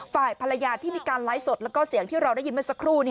ฝ่ายภรรยาที่มีการไลฟ์สดแล้วก็เสียงที่เราได้ยินเมื่อสักครู่